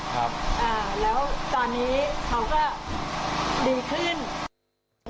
ครับอ่าแล้วตอนนี้เขาก็ดีขึ้น